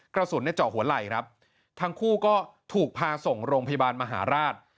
กระสุนเนี่ยเจาะหัวไหล่ครับทั้งคู่ก็ถูกพาส่งโรงพยาบาลมหาราช